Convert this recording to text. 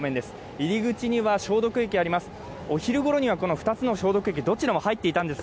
入り口には消毒液があります。